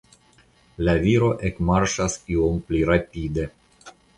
La viro ekmarŝas iom pli rapide.